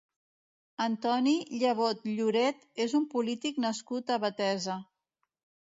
Antoni Llevot Lloret és un polític nascut a Betesa.